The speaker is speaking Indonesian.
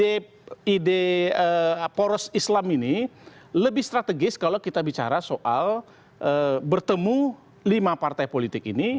ide ide poros islam ini lebih strategis kalau kita bicara soal bertemu lima partai politik ini